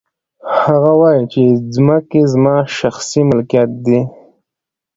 هغه وايي چې ځمکې زما شخصي ملکیت دی